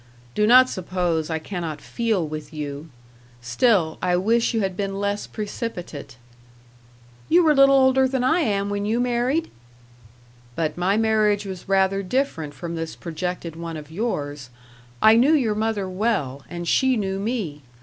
"Do not suppose I cannot feel with you. Still, I wish you had been less precipitate." "You were little older than I am when you married?" "But my marriage was rather different from this projected one of yours. I knew your mother well, and she knew me.